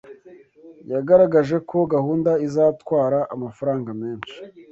Yagaragaje ko gahunda izatwara amafaranga menshi.